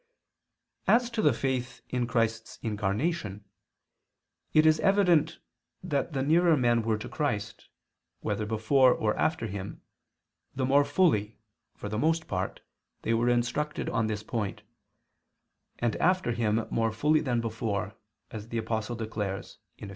As to the faith in Christ's incarnation, it is evident that the nearer men were to Christ, whether before or after Him, the more fully, for the most part, were they instructed on this point, and after Him more fully than before, as the Apostle declares (Eph.